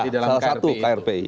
salah satu krpi